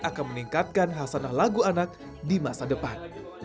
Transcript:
akan meningkatkan hasanah lagu anak di masa depan